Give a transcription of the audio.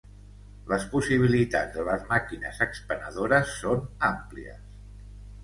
Les possibilitats de les màquines expenedores són àmplies.